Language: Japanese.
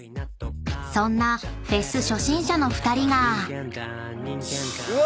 ［そんなフェス初心者の２人が］